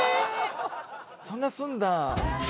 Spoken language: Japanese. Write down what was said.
そんなすんだ。